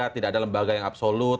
tidak ada lembaga yang absolut